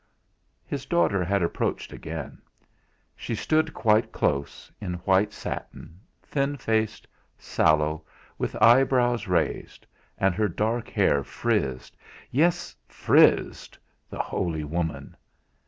His daughter had approached again. She stood quite close, in white satin, thin faced, sallow, with eyebrows raised, and her dark hair frizzed yes! frizzed the holy woman!